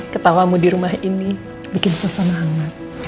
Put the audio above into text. ketawamu di rumah ini bikin suasana hangat